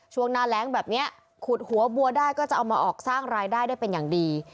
ช่วงหน้าแรงแบบนี้ขุดหัวบัวได้ก็จะเอามาออกสร้างรายได้ได้เป็นอย่างดี